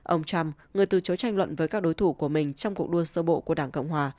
ông trump người từ chối tranh luận với các đối thủ của mình trong cuộc đua sơ bộ của đảng cộng hòa